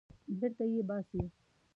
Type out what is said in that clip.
بېرته یې باسي.